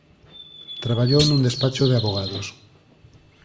Traballou nun despacho de avogados.